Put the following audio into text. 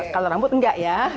kalau rambut enggak ya